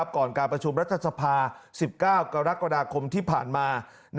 ก่อนการประชุมรัฐสภา๑๙กรกฎาคมที่ผ่านมา